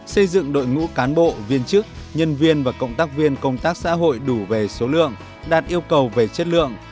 xây dựng đội ngũ cán bộ viên chức nhân viên và cộng tác viên công tác xã hội đủ về số lượng đạt yêu cầu về chất lượng